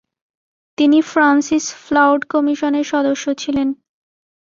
তিনি Francis Floud কমিশনের সদস্য ছিলেন।